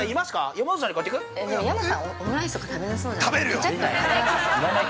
◆山さん、オムライスとか食べなそうじゃない？